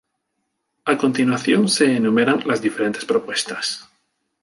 A continuación se enumeran las diferentes propuestas.